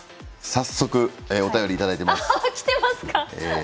早速、お便りをいただいています。